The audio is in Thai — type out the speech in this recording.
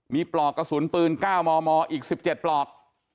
มีปลอกกระสุนปืน๙มมอีก๑๗ปลอก